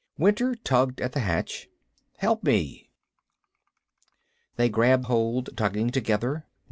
Winter tugged at the hatch. "Help me." They grabbed hold, tugging together.